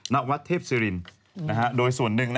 ณวัดเทพศิรินโดยส่วนหนึ่ง